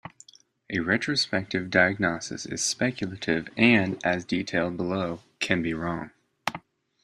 A retrospective diagnosis is speculative and, as detailed below, can be wrong.